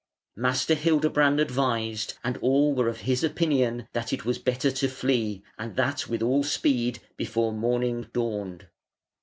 Master Hildebrand advised, and all were of his opinion, that it was better to flee, and that with all speed, before morning dawned.